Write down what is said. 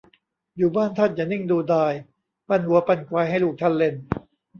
อยู่บ้านท่านอย่านิ่งดูดาย ปั้นวัวปั้นควายให้ลูกท่านเล่น